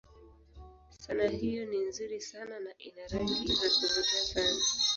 Sanaa hiyo ni nzuri sana na ina rangi za kuvutia sana.